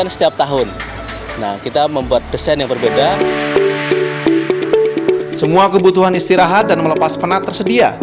semua kebutuhan istirahat dan melepas penat tersedia